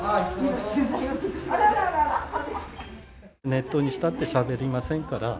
ネットにしたってしゃべりませんから。